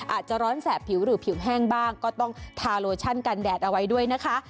อาจจะร้อนแสบผิวหรือผิวแห้งบ้างก็ต้องทาโลชั่นกันแดดเอาไว้ด้วยนะคะ